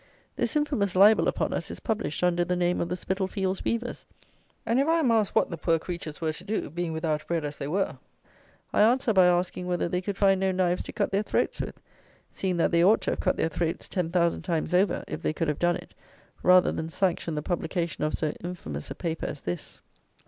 This infamous libel upon us is published under the name of the Spitalfields weavers; and, if I am asked what the poor creatures were to do, being without bread as they were, I answer by asking whether they could find no knives to cut their throats with; seeing that they ought to have cut their throats ten thousand times over, if they could have done it, rather than sanction the publication of so infamous a paper as this.